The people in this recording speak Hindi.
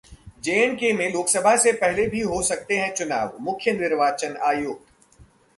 J-K में लोकसभा से पहले भी हो सकते हैं चुनाव: मुख्य निर्वाचन आयुक्त